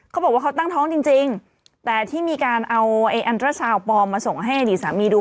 เขาบอกว่าเขาตั้งท้องจริงแต่ที่มีการเอาไอ้อันตราซาวปลอมมาส่งให้อดีตสามีดู